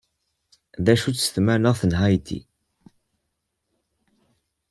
D acu-tt tmaneɣt n Haiti?